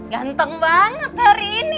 ganteng banget hari ini